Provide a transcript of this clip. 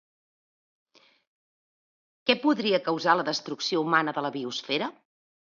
Què podria causar la destrucció humana de la biosfera?